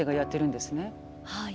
はい。